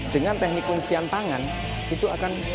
dengan teknik kuncian tangan itu akan